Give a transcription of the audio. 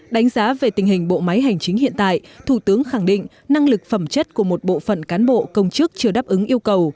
đánh giá về tình hình bộ máy hành chính hiện tại thủ tướng khẳng định năng lực phẩm chất của một bộ phận cán bộ công chức chưa đáp ứng yêu cầu